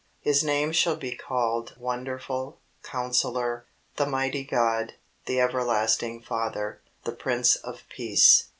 "His name shall be called Wonderful, Counsellor, the Mighty God, the Everlasting Father, the Prince of Peace."